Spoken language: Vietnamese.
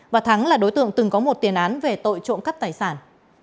và thắng là đối tượng từng có một tiền án về tội trộm cắp tài sản